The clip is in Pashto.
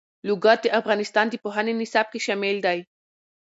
لوگر د افغانستان د پوهنې نصاب کې شامل دي.